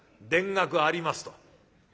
『田楽あります』と」。